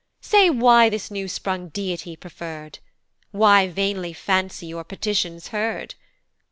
"Say why this new sprung deity preferr'd? "Why vainly fancy your petitions heard?